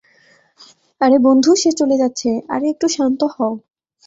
আরে বন্ধু, সে চলে যাচ্ছে -আরে একটু শান্ত হও।